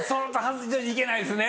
行けないですね。